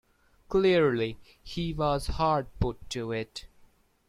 Clearly he was hard put to it.